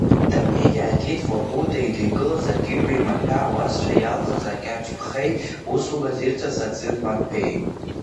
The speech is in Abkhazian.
Дамеи иааигеит Воркута еидикылаз аки-ҩбеи маҭәа ауасцәа иалхыз акьаҿ ԥхеи, усугас ирҭаз аӡын маҭәеи.